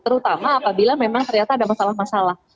terutama apabila memang ternyata ada masalah masalah